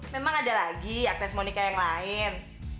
memang ada lagi agnes monika yang lain